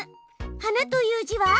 「はな」という字は。